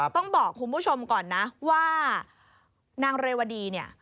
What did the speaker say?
ต้องบอกคุณผู้ชมก่อนนะว่านางเรวดีเนี่ย